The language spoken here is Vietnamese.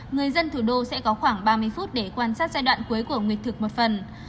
người dân thủ đô sẽ có khoảng ba mươi phút để quan sát giai đoạn cuối của nguyệt thực một phần